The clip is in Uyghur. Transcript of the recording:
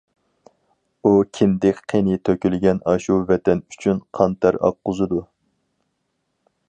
ئۇ كىندىك قېنى تۆكۈلگەن ئاشۇ ۋەتەن ئۈچۈن قان-تەر ئاققۇزىدۇ.